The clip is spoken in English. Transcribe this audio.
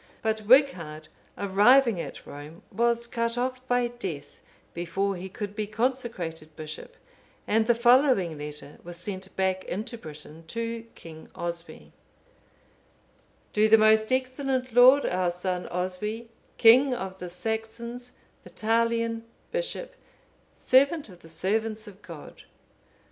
But Wighard, arriving at Rome, was cut off by death, before he could be consecrated bishop, and the following letter was sent back into Britain to King Oswy:— "_To the most excellent lord, our son, Oswy, king of the __ Saxons, Vitalian,_(501)_ bishop, servant of the servants of God.